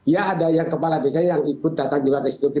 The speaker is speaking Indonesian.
ya ada yang kepala desa yang ikut datang juga restuti